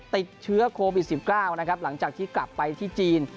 ติดเชื้อโควิด๑๙นะครับหลังจากที่กลับไปที่จีน